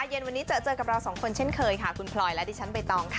เย็นวันนี้เจอเจอกับเราสองคนเช่นเคยค่ะคุณพลอยและดิฉันใบตองค่ะ